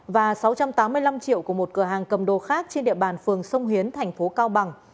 và sáu trăm tám mươi năm triệu của một cửa hàng cầm đồ khác trên địa bàn phường sông hiến thành phố cao bằng